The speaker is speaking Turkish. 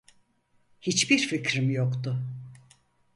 Hiçbir fikrim yoktu.